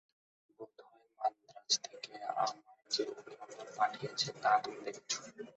বোধ হয় মান্দ্রাজ থেকে আমায় যে অভিনন্দন পাঠিয়েছে, তা তুমি দেখেছ।